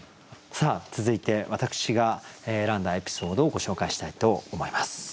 さあ続いて私が選んだエピソードをご紹介したいと思います。